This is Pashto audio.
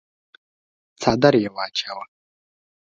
څادر يې واچاوه.